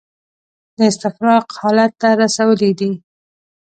د استفراق حالت ته رسولي دي.